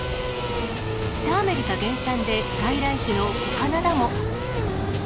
北アメリカ原産で外来種のコカナダモ。